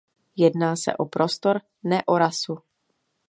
Jedná se o prostor, ne o rasu.